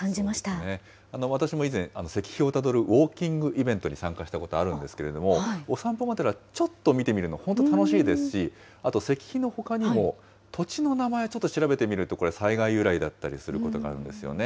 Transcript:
そうですね、私も以前、石碑をたどるウォーキングイベントに参加したことあるんですけれども、お散歩がてらちょっと見てみるの本当楽しいですし、あと石碑のほかにも土地の名前、ちょっと調べてみると、これ災害由来だったりすることあるんですよね。